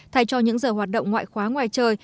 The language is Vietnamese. thay cho những giờ hoạt động ngoại khóa ngoài trời